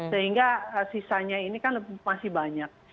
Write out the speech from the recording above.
sehingga sisanya ini kan masih banyak